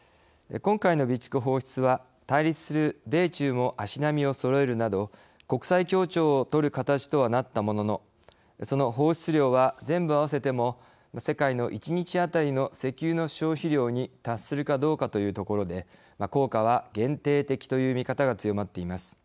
今回の備蓄放出は対立する米中も足並みをそろえるなど国際協調を取る形とはなったもののその放出量は全部合わせても世界の１日当たりの石油の消費量に達するかどうかというところで効果は限定的という見方が強まっています。